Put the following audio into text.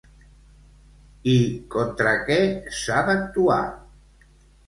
I contra què s'ha d'actuar?